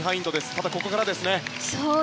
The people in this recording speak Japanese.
ただ、ここからですね。